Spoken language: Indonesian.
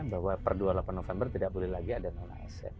bahwa per dua puluh delapan november tidak boleh lagi ada non asn